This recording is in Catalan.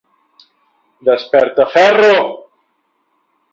Desperta ferro!